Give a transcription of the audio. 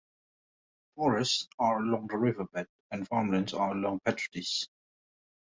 Forests are along the riverbed and farmlands are along Petrades.